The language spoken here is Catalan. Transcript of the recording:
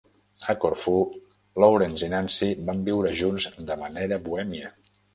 A Corfu, Lawrence i Nancy van viure junts de manera bohèmia.